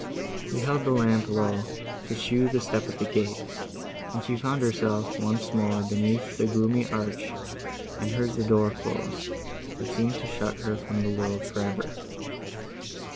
He held the lamp low, to show the step of the gate, and she found herself once more beneath the gloomy arch, and heard the door close, that seemed to shut her from the world for ever.